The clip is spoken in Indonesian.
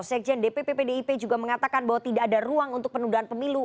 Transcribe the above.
sekjen dpp pdip juga mengatakan bahwa tidak ada ruang untuk penundaan pemilu